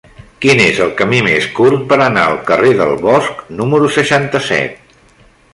Quin és el camí més curt per anar al carrer del Bosc número seixanta-set?